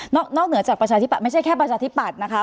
นอกเหนือจากประชาธิบัตย์ไม่ใช่แค่ประชาธิปัตย์นะคะ